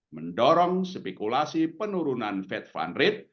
mendorong spekulasi penurunan fed fund rate